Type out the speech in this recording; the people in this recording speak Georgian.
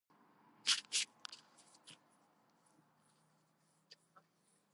დარბაზის ყოველი წევრის დაწინაურებას მისთვის კუთვნილი დასაჯდომი ადგილის შეცვლაც მოსდევდა.